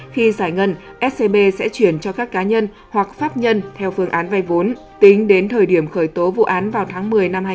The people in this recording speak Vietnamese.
khi giải ngân scb sẽ chuyển cho các cá nhân hoặc pháp nhân theo phương án vay vốn tính đến thời điểm khởi tố vụ án vào tháng một mươi năm hai nghìn hai mươi